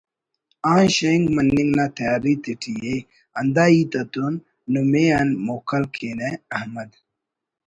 آن Schank morning نا تیاری تیٹی ءِ ہندا ہیت آتتون نمے آن موکل کینہ احمد